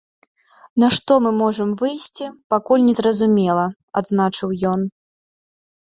На што мы можам выйсці, пакуль незразумела, адзначыў ён.